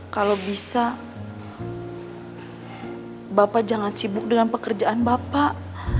kalau bisa bapak jangan sibuk dengan pekerjaan bapak